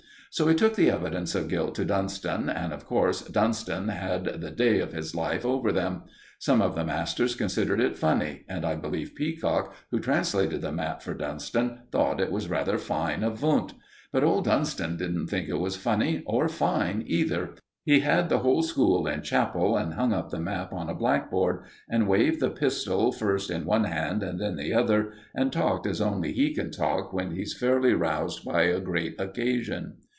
So he took the evidence of guilt to Dunston, and, of course, Dunston had the day of his life over them. Some of the masters considered it funny, and I believe Peacock, who translated the map for Dunston, thought it was rather fine of Wundt; but old Dunston didn't think it was funny, or fine, either. He had the whole school in chapel, and hung up the map on a blackboard, and waved the pistol first in one hand and then the other, and talked as only he can talk when he's fairly roused by a great occasion.